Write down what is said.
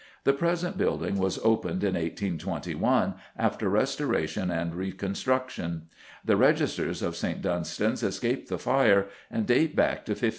The present building was opened in 1821 after restoration and reconstruction. The registers of St. Dunstan's escaped the Fire, and date back to 1558.